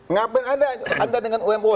ngapain anda dengan omo